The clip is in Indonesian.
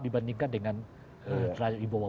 dibandingkan dengan rajat wibowo